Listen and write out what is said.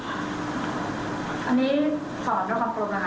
อันนี้ถอดด้วยความปรุงนะคะ